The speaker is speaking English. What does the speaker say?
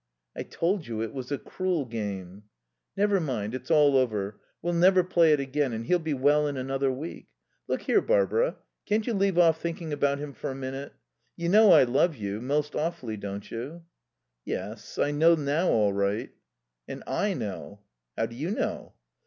"I told you it was a cruel game." "Never mind. It's all over. We'll never play it again. And he'll be well in another week. ... Look here, Barbara, can't you leave off thinking about him for a minute? You know I love you, most awfully, don't you?" "Yes. I know now all right." "And I know." "How do you know?"